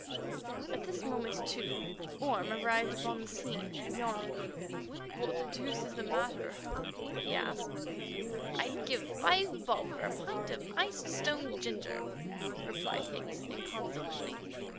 At this moment, too, Orme arrived upon the scene, yawning. "What the deuce is the matter?" he asked. "I'd give five bob for a pint of iced stone ginger," replied Higgs inconsequently.